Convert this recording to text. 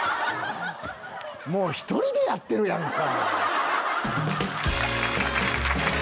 もう１人でやってるやんか。